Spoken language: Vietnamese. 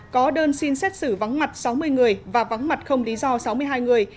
có đơn xin xét xử vắng mặt sáu mươi người và vắng mặt không lý do sáu mươi hai người